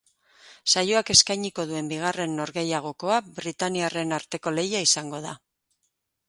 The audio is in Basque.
Saioak eskainiko duen bigarren norgehiagoka britainiarren arteko lehia izango da.